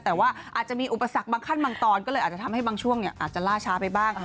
แต่ว่าอาจจะมีอุปสรรคบางขั้นบางตอนก็เลยอาจจะทำให้บางช่วงอาจจะล่าช้าไปบ้าง